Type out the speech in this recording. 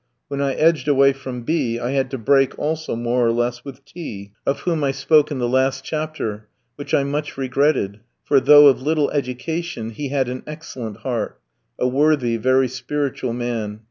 When I edged away from B ski, I had to break also, more or less, with T ski, of whom I spoke in the last chapter, which I much regretted, for, though of little education, he had an excellent heart; a worthy, very spiritual man.